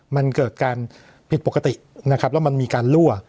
มันเกิดการผิดปกตินะครับแล้วมันมีการลั่ว